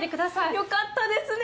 よかったですね